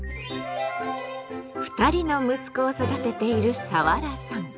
２人の息子を育てているサワラさん。